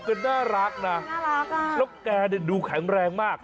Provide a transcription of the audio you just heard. ก็เป็นน่ารักนะแล้วแกดูแข็งแรงมาก